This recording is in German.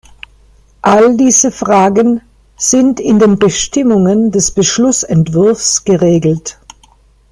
All diese Fragen sind in den Bestimmungen des Beschlussentwurfs geregelt.